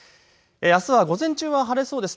あすは午前中は晴れそうです。